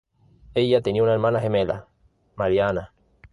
Ella tenía una hermana gemela, María Ana.